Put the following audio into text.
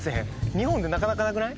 日本でなかなかなくない？